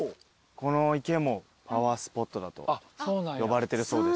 この池もパワースポットだと呼ばれてるそうです。